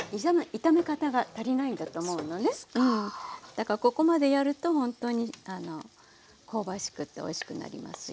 だからここまでやるとほんとに香ばしくておいしくなりますよ。